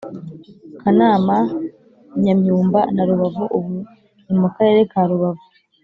kanama, nyamyumba na rubavu ubu ni mu karere ka rubavu.